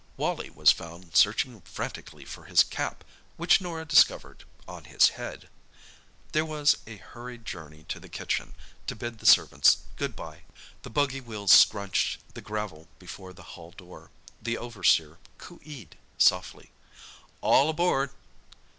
Wally was found searching frantically for his cap, which Norah discovered—on his head. There was a hurried journey to the kitchen, to bid the servants "Good bye." The buggy wheels scrunched the gravel before the hall door. The overseer coo ee'd softly. "All aboard!"